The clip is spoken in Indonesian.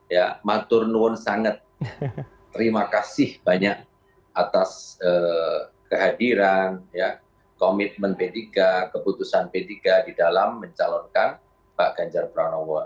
ya maturnuun sangat terima kasih banyak atas kehadiran komitmen pdip keputusan pdip di dalam mencalonkan pak ganjar pranowo